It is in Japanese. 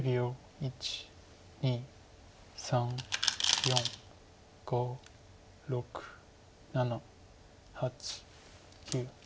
１２３４５６７８９。